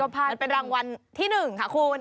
มันเป็นรางวัลที่๑ค่ะคุณ